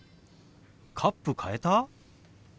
カップ変えた？